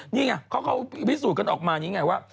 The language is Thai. นี่ไงเขาพิสูจน์กันออกมาว่า